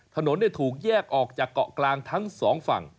ถนนถูกแยกออกจากเกาะกลางทั้งสองฝั่ง